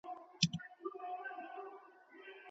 والدین باید د ښوونځي په چارو کي برخه واخلي.